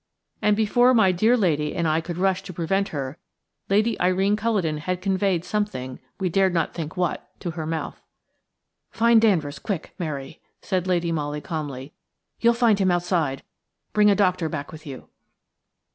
And before my dear lady and I could rush to prevent her, Lady Irene Culledon had conveyed something–we dared not think what–to her mouth. "Find Danvers quickly, Mary!" said Lady Molly, calmly. "You'll find him outside. Bring a doctor back with you."